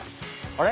あれ？